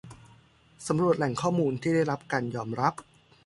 สำรวจแหล่งข้อมูลที่ได้รับการยอมรับ